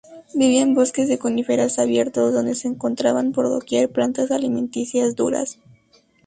Vivía en bosques de coníferas abiertos donde se encontraban por doquier plantas alimenticias duras.